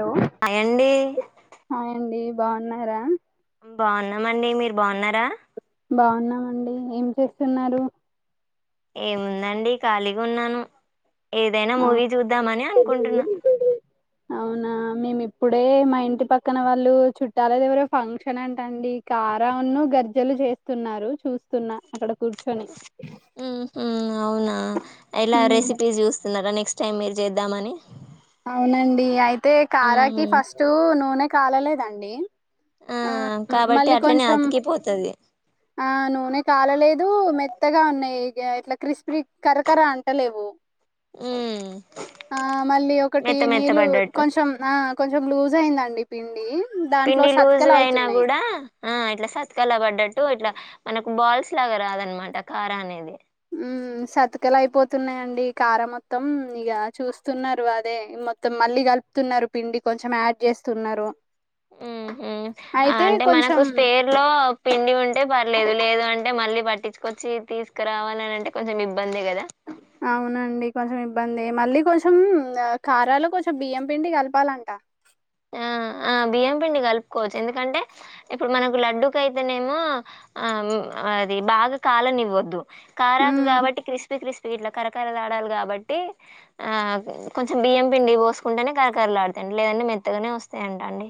Hello అయండి బాగున్నారా బాగున్నామండి మీరు బాగున్నారా బాగున్నామండి ఏం చేస్తున్నారు ఏముందండి ఖాళీగా ఉన్నాను ఏదైనా ఆ మూవీ చూద్దామని అనుకుంటున్నా అవునా మేము ఇప్పుడే మా ఇంటి పక్కన వాళ్ళు చుట్టాల దేవరో ఫంక్షన్ అంట అండి కారవున్ను గర్జలు చేస్తున్నారు చూస్తున్నా అక్కడ కూర్చొని మ్మ్ హ్హ్ అవునా ఇలా ఉమ్, రెసిపీస్ చూస్తున్నారా నీకు నెక్స్ట్ టైం మీరు చేద్దామని అవునండి ఆయి తే కారాకి ఉమ్ ఫస్ట్ నూనె కాలలేదండి ఆ కాబట్టి మళ్ళీ అట్లనే కొంచెం అతికిపోతది ఆ నూనె కాలలేదు తూ మెత్తగా ఉన్నాయి ఇగ ఇట్ల క్రిస్పీరి కర్ కర్ అంటలేవు మళ్ళీ మ్మ్ టీ నీళ్లు కొంచం ఆ ఆ కొంచెం లూజ్ అయిందండి పిండి దాంట్లో పిండి సతకలు లూజ్గా అయినా అవుతున్నాయి కూడా ఆ ఇట్లా సత్కాల పడ్డట్టు ఇట్లా మనకు బాల్స్ లాగా రాదనమాట కార అనేది మ్ సతకలు అయిపోతున్నాయండి కార మొత్తం ఇక చూస్తున్నారు అదే మొత్తం మళ్ళీ కలుపుతున్నారు పిండి కొంచెం యాడ్ చేస్తున్నారు మ్ మ్ అయితే అంటే మనకు కొంచెం స్పేర్ లో పిండి ఉంటే పర్లేదు లేదు అంటే మళ్ళీ పట్టిచ్చుకొచ్చి తీసుకురావాలి అని అంటే కొంచెం ఇబ్ అవునండి కొంచెం ఇబ్బంది మళ్ళీ కొంచెం కారాలో కొంచెం బియ్యం పిండి కలపాలంట ఆ ఆ బియ్యం పిండి కలుపుకోవచ్చు ఎందుకంటే ఇప్పుడు మనకు లడ్డుకయితేనేమో ఆ అది బాగా కాలనివ్వద్దు కారాకు మ్మ్ కాబట్టి క్రిస్పీ క్రిస్పి ఇట్లా కరకారలు ఆడాలి కాబట్టి ఆ కొంచెం బియ్యం పిండి పోసుకుంటేనే కరకరలాడతంది లేదంటే మెత్త మెత్తగానే వస్తాయింట అండి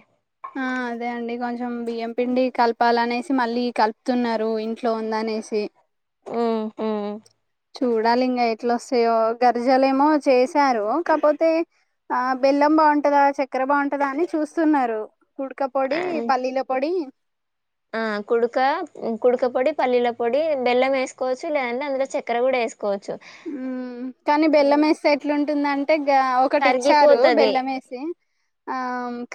ఆ అదే అండి కొంచెం బియ్యం పిండి కలపాలనేసి మళ్ళీ కలుపుతున్నారు ఇంట్లో ఉందనేసి మ్ మ్ చూడాలి ఇంకా ఎట్లా వస్తాయో గర్జాలేమో చేశారు కాకపోతే ఆ బెల్లం బావుంటందా చక్కెర బావుటందా అని చూస్తున్నారు కుడుకా పొడి పల్లీల పొడి ఆ కుడుక కుడక పొడి పల్లీల పొడి బెల్లమే సుకోవచ్చు లేదంటే అందులో చక్కెర కూడా ఏసుకోవచ్చు మ్.. కానీ బెల్లమేస్తే ఎట్లుంట టుందంట అట్ట ఒకటి ఇచ్చారు కరిగిపోతది బెల్లం వేసి ఆ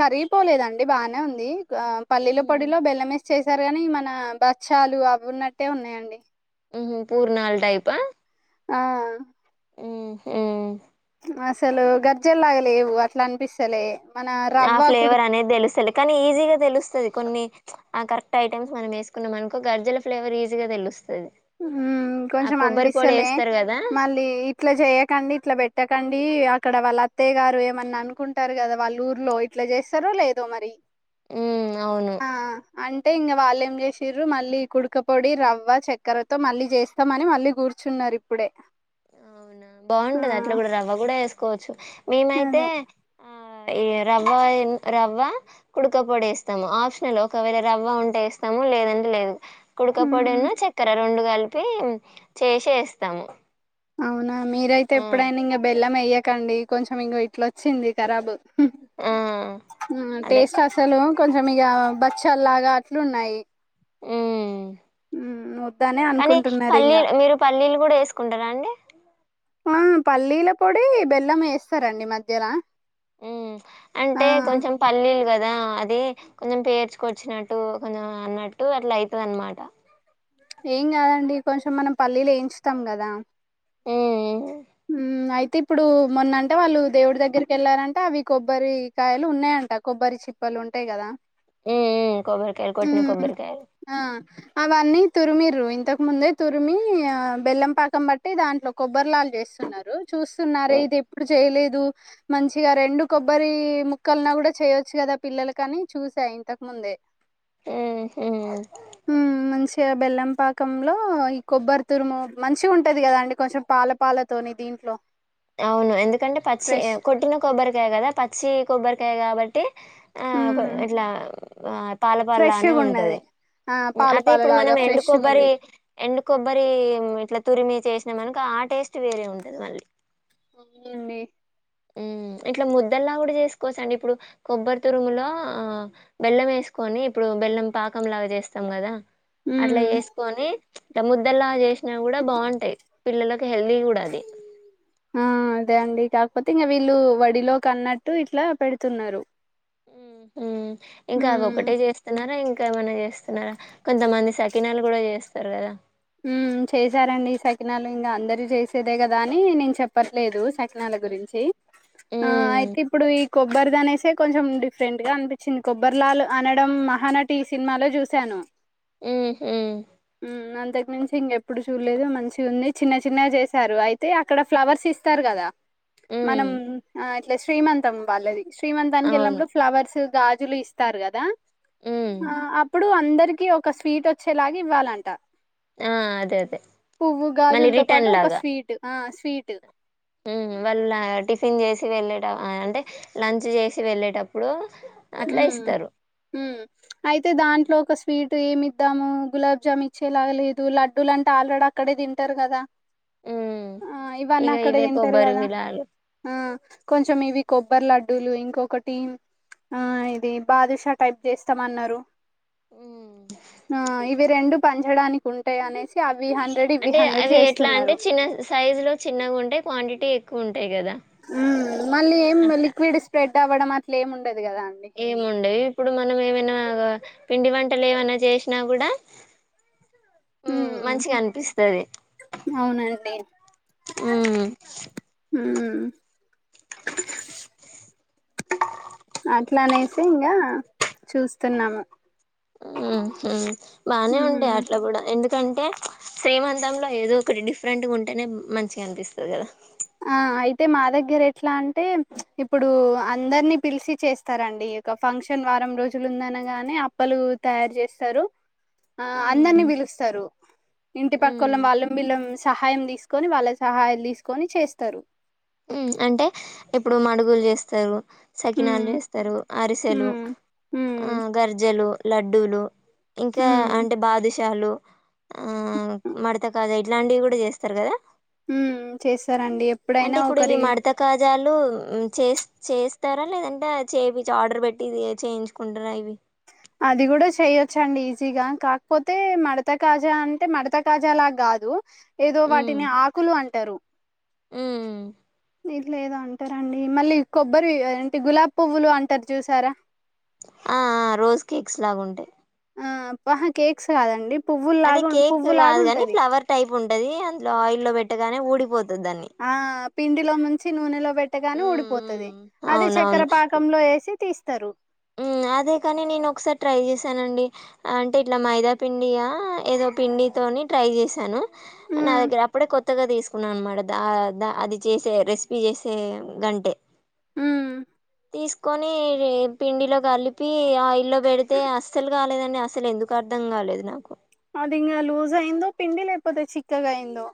కరిగిపోలేదండి బానే ఉంది ఆ పల్లీల హ్మ్, పోడిలో బెల్లమే స్ చేసారు కానీ మన బచ్చాలు అవి ఉన్నట్టే ఉన్నాయండి ఉ హు మ్ పూర్ణాల టైపా ఆ మ్ హు మ్ అసలు గర్జెల్లాగా లేవు అట్లా అనిపిస్తలే మన ఆ రవ్వ కుడు ఫ్లేవర్ అనేది తెలుస్తది కానీ ఈజీగ తెలుస్తది కొన్ని ఆ కరెక్ట్ ఐటమ్స్ మనం ఏసుకున్నామనుకో గర్జెల ఫ్లేవర్ ఈజీగ తెలుస్తది ఆ కొంచెం కొబ్బరి పొడి అనిపిస్తలే వేస్తారు కదా మళ్ళీ ఇట్లా చేయకండి ఇట్లా పెట్టకండి డి అక్కడ వాళ్ళ అత్తయ్య గారు ఏమన్నా అనుకుంటారు కదా వాళ్ళ ఊర్లో ఇట్లా చేస్తారో లేదో మరి హ్మ్. అవును ఆ అంటె అంటె ఇంక వాళ్ళు ఏం చేసిర్రూ మళ్ళీ కుడుక పొడి రవ్వ చె క్కరతో మళ్ళీ చేస్తామని మళ్ళీ కూర్చున్నారు ఇప్పుడే అవునా ఆ బావుంటది అట్లా గుడా రవ్వ కూడా ఏసుకోవచ్చు మేమైతే అదే ఆ ఈ రవ్వ రవ్వ కుడుక పడి వేస్తాము ఆప్షనల్ ఒకవేళ రవ్వ ఉంటే వేస్తాము లేదంటే లేదు మ్మ్ కుడుకపోడను చక్కర రెండు గల్ కలిపి చేసే వేస్తాము ఆ మీర అయితే ఆ ఎప్పుడైనా ఇంకా బెల్లం ఎయ్య ఎకండి కొంచెం ఇంక ఇట్లా వచ్చింది కరాబు హుం ఆ ఉమ్ అదే టేస్ట్ అసలు కొంచం ఇగా బచ్చల్ లాగా అట్లు ఉన్నాయి ఉమ్ వద్దనే కానీ అనుకుంటున్నారు ఇంగ పల్లీల్ మీరు పల్లీలు కూడా వేసుకుంటారా అండి ఆ పల్లీల పొడి బెల్లం వేస్తారండి మధ్యల ఉమ్ ఆ అంటే కొంచెం పల్లీలు కదా అది కొంచం పేర్చుకొచ్చినట్టు కొంచెం అన్నట్టు అట్లా అయితది అన్నమాట ఏం కాదండి కొంచెం మనం పల్లీలు వేయించుతాం కదా ఉ ఉ ఉమ్ ఉమ్ అయితే ఇప్పుడు మొన్నంటే వాళ్ళు దేవుడి దగ్గరకి వెళ్ళారంటే అవి కొబ్బరికాయలు ఉన్నాయంట కొబ్బరి చిప్పలు ఉంటాయి కదా ఉ ఉమ్ కొబ్బరి కాయలు కొట్టిన మ్మ్ కొబ్బరి కాయలు ఆ అవన్నీ తురిమిర్ర ఇంతకు ముందే తురిమి బెల్లం పాకం బట్టి దాంట్లో కొబ్బరిలాలు చేస్ న్నారు చూస్తున్నారే ఉమ్ ఇది ఎప్పుడు చేయలే దు మంచిగా రెండు కొబ్బరి ముక్కలున్న కూడా చేయొచ్చు కదా పిల్లలు కానీ చూసా ఇంతకుముందే ఆ హుం బెల్లంపాకంలో ఈ కొబ్బరి తురుము మంచిగా ఉంటది కదా అండి కొంచెం పాలపాల తోని దీంట్లో అవును ఎందుకంటే పచ్చి ఫ్రెష్ కొట్టిన కొబ్బరికాయ కదా పచ్చి కొబ్బరి టాయ్ కాబట్టి ఆ ఓక హ్మ్. ఇట్లా ఆ పాలపల్లా అనే ఫ్రెష్‌గున్నది. ఉంటది ఆ! పాల అయితే ఇప్పుడు పాలలాగా మనం ఎండు ఫ్రెష్‌గుంది. కొబ్బరి ఎండు కొబ్బరి ఇట్లా తురిమి చేస్ మనకు ఆ టేస్ట్ వేరే ఉంటది మళ్ళీ అవునండి ఉ ఇట్లా ముద్దల్లా కూడా చేసుకోవచ్చ అండి ఇప్పుడు కొబ్బరి తురుములో ఆ బెల్లం వేసుకోని ఇప్పుడు బెల్లం పాకం లాగా చేస్తాం కదా అట్లా హ్మ్. వేసుకొని ఇట ముద్దలా చేసినా కూడా బాగుంటాయి పిల్లకి హెల్దీ కూడా అది ఆ అదే అండి కాకపోతే ఇంక వీళ్ళు వడిలోకి అన్నట్టు ఇట్లా పెడుతున్నారు ఉ హుం ఇంకా అవి హ్మ్. ఒకటే చేస్తున్నారా ఇం ఇంకా ఏమన్నా చేస్తున్నారా కొంతమంది సకినాలు కూడా చేస్తారు కదా ఉమ్ చేశారండీ ఈ సకినాలు ఇంకా అందరి చేసేదే కదా అని నేను చెప్పట్లేదు సకినాల గురించి ఆ హ్మ్ అయితే ఇప్పుడు ఈ కొబ్బరిది అనేసి కొంచెం డిఫరెంట్ గా అనిపించింది కొబ్బరి లాల్ అనడం మహానటి సినిమాలో చూశాను ఉహ్ ఉమ్ ఫెన్సింగ్ ఎప్పుడూ చూడలేదు మంచిగా ఉన్నాయ్, చిన్న చిన్నగా చేసారు అయితే అక్కడ ఫ్లవర్స్ ఇస్తారు కదా. హ్మ్ మనం ఆ ఇట్ల శ్రీమంతం వాళ్ళది శ్రీమంతానికి అవును వెళ్ళినప్పుడు ఫ్లవర్స్ గాజులు ఇస్తారు కదా? హ్మ్ ఆ అప్పుడు అందర్ [unintelligible] ఒక స్వీట్ అచ్చేలాగా ఇవ్వాలంట ఆ అదే అదే పువ్వు మళ్ళీ గాజుల్తో పాటు రిటర్న్ ఒక లాగా స్వీట్ ఆ ఫీట్ తీ వెళదాం ఆ అంటే లంచ్ చేసి వెళ్ళేటప్పుడు అట్లా ఉమ్ ఇస్తారు ఉమ్ అయితే దాంట్లో ఒక స్వీట్ టీమ్ ఇద్దాము గులాబ్ జామ్ ఇచ్చేలాగ లేదు, లడ్డులుంటే ఆల్రెడీ అక్కడే తింటారు కదా. ఉమ్ ఆ ఇవిఅని ఇగ అక్కడే ఇవే తింటారు కొబ్బరి కదా, విలాలు ఆ కొంచెం ఇవి కొబ్బరి లడ్డూలు ఇంకొకటి ఆ ఇది బాదుషా టైప్ చేస్తామన్నారు. ఉమ్. ఆ ఇవి రెండు పంచడానికి ఉంటాయ్ అనేసి అవ్ అంటే అవి ఎట్లా అంటే చిన్న సైజు లో చిన్నగా ఉంటే క్వాంటిటీ ఎ కుం ఉమ్ మళ్ళీ ఏం లిక్విడ్ స్ప్రెడ్ తవడం అట్లా ఏం ఉన్ ఏముండేవి ఇప్పుడు మ మనం ఏమైనా పిండి వంటలు ఏమైనా చేసినా కూడా ఉమ్ హ్మ్. మంచిగా అనిపిస్తది అవునండి. ఉమ్ ఉమ్ అట్లానేసి ఇంగా చూస్తున్నాము. ఉహ్ ఉమ్ బానే ఉంటాయ్ ఉమ్ అట్ల కూడా ఎందుక్ తంటే సేమ్ అందంల ఏదో ఒకటి డిఫరెంట్గా ఉంటేనే మంచిగా అనిపిస్తది కదా. ఆ అయితే మా దగ్గర ఎట్లా అంటే ఇప్పుడు అందరినీ పిలిచి చేస్తారండి. ఒక ఫంక్షన్ వారం రోజులు ఉందనగానే అప్పలు తయారు చేస్తారు, ఆ ఉమ్ అందరినీ పిలుస్తారు ఇంటి పక్క ఉమ్ ఒళ్లం వల్లన్ విలన్ సహాయం తీసుకొని వాళ్ళ సహాయాలు తీసుకొని చేస్ తరు ఉమ్ అంటే ఇప్పుడు మడుగులు చేస్తారు. సకినాలు ఉమ్ చేస్తారు అరిసెలు, ఉమ్ ఉమ్ ఆ గర్జెలు లడ్డూలు ఇంకా ఉమ్ అంటే బాదుష్ చాలు ఆ మడతకాజ ఇట్లాంటివి గూడ చేస్తారు కదా ఉమ్ ఉ, చేస్తారండి ఎప్పుడైనా ఒక్ ని మడత కాజాలు ఉమ్ చే చేస్తరా లేదంటే చేపిచి ఆర్డర్ పెట్టిది చేయించుకుంటరా ఇవి? అది గుడా చెయ్యొచ్చండి ఈజీగా, కాకపోతే మడత కాజా అంటే మడత కాజాలాగ్గాదు. ఏదో ఉమ్ వాటిని ఆకులు అంట్ ట్టరు ఉమ్ వీట్నీదో అంటరండి మళ్ళీ కొబ్బరి ఏంటి గులాబ్పువ్వులు అంటరు జూసార? ఆ ఆ రోజ్ కేక్స్ లాగుంటాయి. ఆ పహ కేక్స్ కాదండి అదే పువ్వుల్లాగా ఉం- కేక్ పువ్వులాగా కాదుగని ఉంటది ఫ్లవర్ టైప్ ఉంటది అందులో ఆయిల్ లో పెట్టగ్ గానే ఊడిపోద్ ఆ పిండిలో ముంచి నూనెలో పెట్టగానే ఉమ్ ఊడిపోతది, ఉమ్ అది చక్కెర పాకంలో ఏసి తీస్తరు ఉమ్ అదే కని నేనొకసారి ట్రై చేసానండి, అంటే ఇట్లా మైదా పిండియా ఏదో పిండితోని ట్రై చేసాను. నా ఉమ్ దగ్గర అప్పుడే కొత్తగా తీసుకున్నానమాట. ద అది చేసే రెసిపీ చేసే గంటే. హ్మ్ తీసుకొని రేప్ పిండిలో కలిపి ఆయిల్లో పెడితే అస్సలు కాలేదండి, అసలేందుకో అర్ధం కాలేదు నాకు. అదింగా లూజ్ అయ్యిందో, పిండి లేకపోతే చిక్కగయ్యిందో.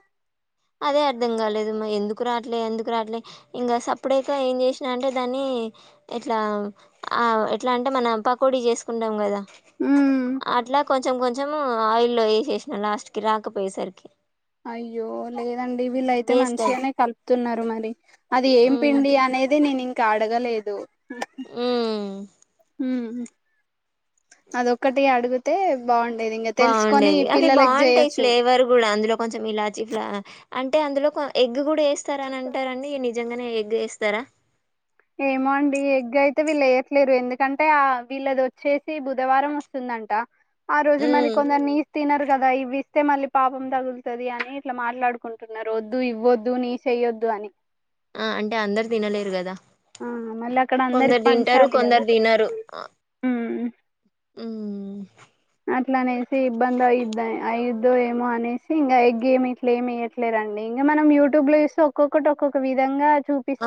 అదే అర్ధం గాలేదు మ ఎందుకు రాట్లే ఎందుకు రాట్లే ఇంగ సప్పుడేకా ఏం చేసినా అంటే దాన్ని ఎట్లా ఆ ఎట్లామ్టే మనం పకోడి చేసుకుంటాం గదా. ఉమ్ కొంచెం కొంచెం ఆయిల్లో ఏసేసిన లాస్ట్ కి రాకపోయేసరికి. అయి య్యో లేదండి వీళ్ళయితే వేస్ట్ అయి మంచిగనే కలుపుతున్నరు మరి, అది ఏం మ్మ్ పిండి అనేది నేనింక్ కడగలేదు ఉమ్ అదొక్కటి అడిగితే బాగుండేది ఇంకా తెలుసుకొని బాగుండేది అవి పిల్లలకి బాగుంటయి చేయొచ్చు ఫ్లేవర్ గుడా, అందులో కొంచెం ఇలాచి ఫ్లా అంటే అందులో కోన్ ఎగ్ గ్ గుడా ఏస్తారానంటరండి నిజ్ నిజంగనే ఎగ్ ఏస్తరా? ఏమో అండి ఎగ్ అయితే వీళ్ళేయ్యట్లేరు, ఎందుకంటే ఆ వీళ్ళదొచ్చేసి బుధవారం వస్తుందంట. ఆ రోజు మరి మ్మ్ కొందరు నిస్ తినరు గదా ఇవ్విస్తే మళ్ళీ పాపం తగుల్తది అని ఇట్లా మాట్లాడుకుంటున్నరు. ఒద్దు, ఇవ్వద్దు, నీస్ ఎయ్యొద్దు అని. ఆ అంటే అందరు తినలేరు గదా ఆ మళ్ళీ అక్కడ కొందరు అందరికి తింటరు, పంచాలి కొందరు కదా తినరు. ఉమ్ హ్మ్ అట్లనేసి ఇబ్బంది అయ్యిద్దన్ అయ్యిద్దో ఏమో అనేసి ఇంగా ఎగ్ ఏమి ఇట్లా ఏమేయ్యట్లేరండి ఇంగ మనం యూట్యూబ్ లో జూస్తే ఒక్కొక్కటి ఒక్కొక్క విధంగా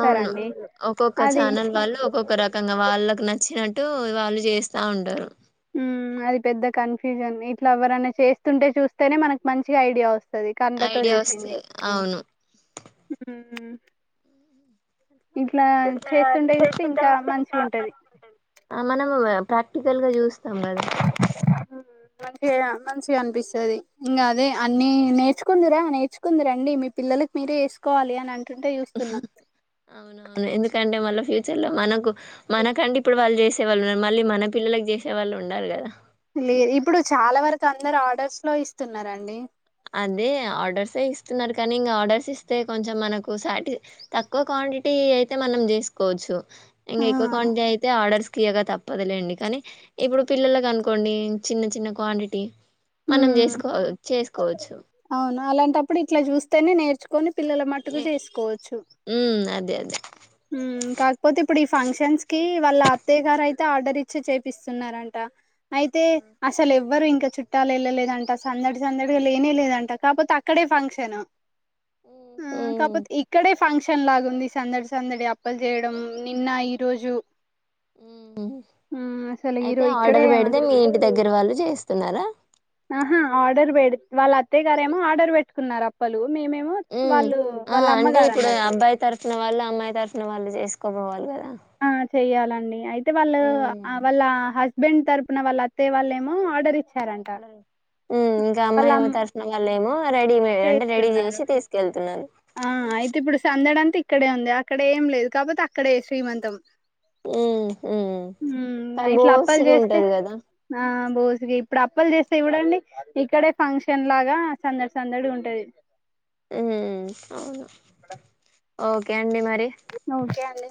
అవును ఒక్కొక్క అది ఛానల్ వాళ్ళు ఒక్కొక్క రకంగా వాళ్ళ నచ్చినట్టు వాళ్ళు చేస్తా ఉంటారు అది పెద్ద కన్ఫ్యూజన్ ఇట్లా ఎవరనా చేస్తుంటే చూస్తేనే మనకి మంచిగా ఐడియా వస్ అది కండ్లతో ఐడియా వస్తే చూసింది అవును హమ్ ఇట్లా చేస్తుంటే చూస్తే ఇంకా మంచిగా ఇట్లా ఉంటది ప్రాక్టికల్గా చూస్ [unintelligible] హ్ మంచిగా మంచిగా అనిపిస్తది ఇంకా అదే అన్ని నేర్చుకుందిరా నేర్చుకుంది రండి మీ పిల్లలకి మీరే వేసుకోవాలి అని అంటుంటే చూస్తున్నాం అవునవును ఎందుకంటే మళ్ళా ఫ్యూ చలో మనకు మనకంటే ఇప్పుడు వాళ్ళు చేసేవాళ్ళు ఉన్న. మళ్ళీ మన పిల్లలకి చేసే వాళ్ళు ఉండాలి కదా. లేదు ఇప్పుడు చాలా వరకు అందరు ఆర్డర్స్ లో ఇస్తున్నండి. అదే ఆర్డర్సే ఇస్తున్నారు కానీ ఇంకా ఆర్డర్స్ ఇస్తే కొంచెం మనకు సాటిస్ తక్కువ క్వాంటిటీ అయితే మనం చేసుకోవచ్చు. ఇంగ ఎక్కువ క్వాంటిటీ అయితే ఆర్డర్స్ యగా తప్పదులేండి కానీ ఇప్పుడు పిల్లలకి అనుకోండి చిన్న చిన్న క్వాంటిటీ మనం ఉమ్ చేసుకో చేస్ కోచు అవును అలాంటప్పుడు ఇట్లా చూస్తేనే నేర్చుకొని పిల్లల మట్టుకు చేసుకోవచ్చు దే అద కాకపోతే ఇప్పుడు ఈ ఫంక్షన్స్ కి వాళ్ళ అత్తయ్య గారు అయితే ఆర్డర్ ఇచ్చి చేపిస్తున్నారంట అయితే ఉమ్ అసలు ఎవ్వరు ఇం ఇంకా చుట్టాలు వెళ్ళలేదంట సందడి సందడిగా లేనే లేదంట కాకపోతే అక్కడే ఫంక్షన్ ఆ ఉమ్ కాపోతే ఇక్కడే ఫంక్షన్ లాగు ఉంది సందడి సం సందడి అప్పలు చేయడం నిన్న ఈ రోజు ఉమ్ అసలు అయితే ఈరో ఇక్కడే ఆర్డర్ పెడితే మీ ఇంటి అందరు దగ్గర వాళ్ళు చేస్తున్నారా ఆహా ఆర్డర్ పె వాళ్ళ అత్తయ్య గారేమో ఆర్డర్ పెట్టుకున్నారు అప్పలు మేమేమో ఉ వాళ్ళు ఆ వాళ్ళ అంటే అమ్మగారు ఇప్పుడు అన్నట్టు అబ్బాయి తరపున వాళ్ళు అమ్మాయి తరపున వాళ్ళు చేసుకు [unintelligible] ఆ చెయాలండి అయితే వాళ్ వాళ్ళ బెం తరుపున వాళ్ళ అత్తయ్య వాళ్లు ఏమో ఆర్డర్ ఇచ్చ అడ ఇంకా అమ్మాయి అమ్ దర్శనం వల్లేమో రెడీ మ అంటే రెడీ చేస్తున్నారు చేసి తీసుకెళ్తున్నారు ఆ అయితే ఇప్పుడు సందడంతా ఇక్కడే ఉంది అక్కడ ఏం లేదు కాపోతే అక్కడే శ్రీమంతం ఉమ్ ఉమ్ హ్మ్ ఆ కానీ ఇట్లా అప్పాలు బోసిగా చేస్తే ఉంటది కదా ఆ బోసిగా ఇప్పుడు అప్పలు చేస్తే ఎవడండి ఇక్కడే ఫంక్షన్ లాగా సందడి సందడి గుంటది ఊమ్ అవును అ ఓకే అండి మర్ ఓకే అండి